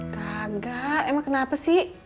kagak emang kenapa sih